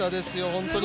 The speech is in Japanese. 本当に。